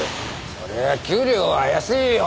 そりゃ給料は安いよ。